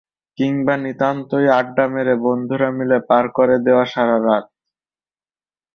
কিংবা নিতান্তই আড্ডা মেরে বন্ধুরা মিলে পার করে দেওয়া সারা রাত।